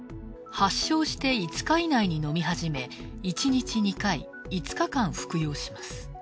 発症して５日以内に飲み始め１日２回、５日間服用します。